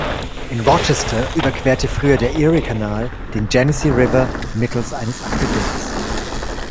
In Rochester überquerte früher der Eriekanal den Genesee River mittels eines Aquädukts.